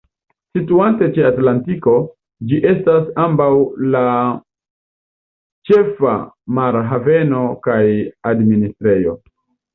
Situante ĉe Atlantiko, ĝi estas ambaŭ la ĉefa marhaveno kaj administrejo.